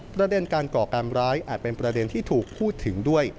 ประเด็นการก่อการร้ายอาจเป็นประเด็นที่ถูกพูดถึงด้วย